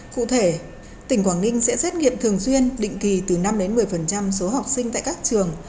cụ thể tỉnh quảng ninh sẽ xét nghiệm thường xuyên định kỳ từ năm một mươi số học sinh tại các trường